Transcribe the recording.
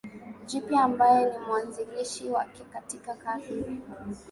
Jipya ambaye ni mwanzilishi wake katika karne